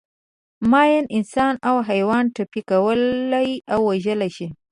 ماین انسان او حیوان ټپي کولای او وژلای شي.